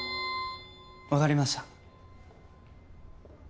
わかりました。